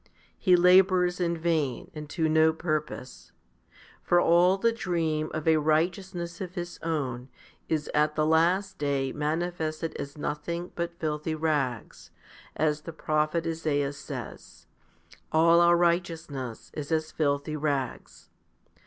he labours in vain and to no purpose. For all the dream of a righteousness of his own is at the last day manifested as nothing but filthy rags, as the prophet Esaias says, All our righteousness is as filthy rags.